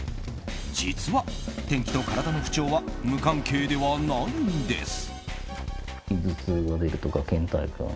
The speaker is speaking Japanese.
実は、天気と体の不調は無関係ではないんです。